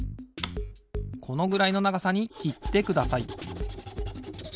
このぐらいのながさにきってください